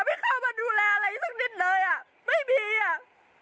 ไม่เข้ามาดูแลอะไรสักนิดเลยอ่ะไม่มีอ่ะ